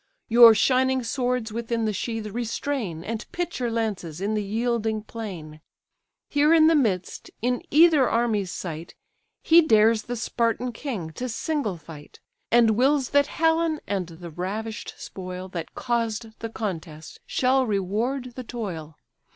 Your shining swords within the sheath restrain, And pitch your lances in the yielding plain. Here in the midst, in either army's sight, He dares the Spartan king to single fight; And wills that Helen and the ravish'd spoil, That caused the contest, shall reward the toil.